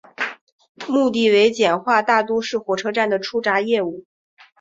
目的为简化大都市火车站的出闸业务。